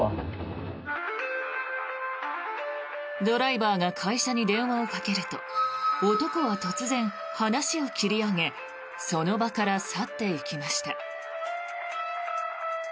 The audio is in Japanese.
ドライバーが会社に電話をかけると男は突然、話を切り上げその場から去っていきました。